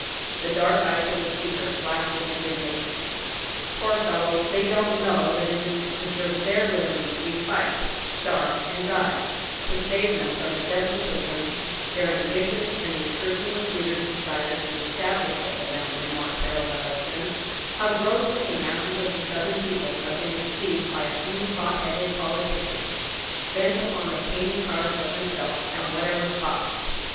The dark eyes of the speaker flashed with indignation. "Poor fellows, they don't know that it is to preserve their liberties we fight, starve, and die; to save them from the despotism their ambitious and unscrupulous leaders desire to establish over them," remarked Harold Allison; "how grossly the masses of the Southern people have been deceived by a few hot headed politicians, bent upon obtaining power for themselves at whatever cost."